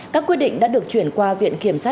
các quyết định đã được chuyển qua viện kiểm sát